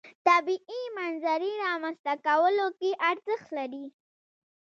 طبیعي منظرې رامنځته کولو کې ارزښت لري.